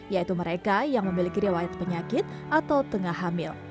yaitu mereka yang memiliki riwayat penyakit atau tengah hamil